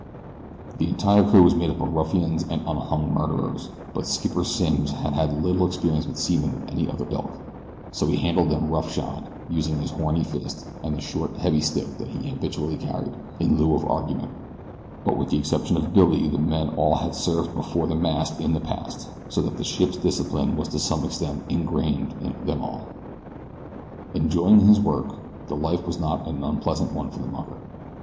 The entire crew was made up of ruffians and unhung murderers, but Skipper Simms had had little experience with seamen of any other ilk, so he handled them roughshod, using his horny fist, and the short, heavy stick that he habitually carried, in lieu of argument; but with the exception of Billy the men all had served before the mast in the past, so that ship's discipline was to some extent ingrained in them all. Enjoying his work, the life was not an unpleasant one for the mucker.